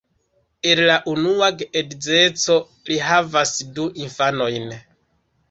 El la unua geedzeco li havas du infanojn.